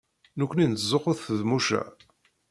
Nekkni nettzuxxu s Feḍmuca.